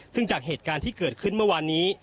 ซึ่งจากเหตุการณ์ที่เกิดขึ้นเมื่อวานนี้